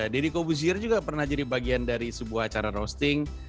deddy kobuzir juga pernah jadi bagian dari sebuah acara roasting